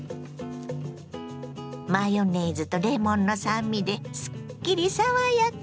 マヨネーズとレモンの酸味ですっきり爽やか。